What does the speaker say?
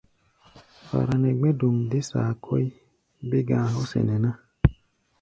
Fara nɛ gbɛ̧́-dom dé saa kɔ́ʼí, bé-ga̧a̧ hɔ́ sɛnɛ ná.